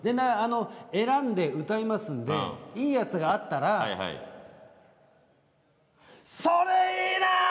選んで歌うんでいいのがあったらそれいいなー！